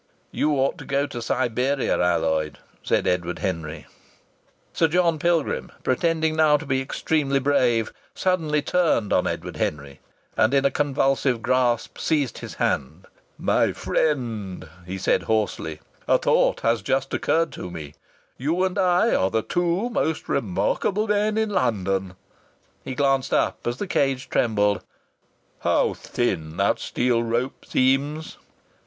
"You ought to go to Siberia, Alloyd," said Edward Henry. Sir John Pilgrim, pretending now to be extremely brave, suddenly turned on Edward Henry and in a convulsive grasp seized his hand. "My friend," he said hoarsely, "a thought has just occurred to me. You and I are the two most remarkable men in London!" He glanced up as the cage trembled. "How thin that steel rope seems!"